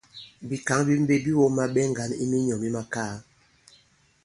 Bìkǎŋ bi mbe bi wōma ɓɛ ŋgǎn i minyɔ̌ mi makaa.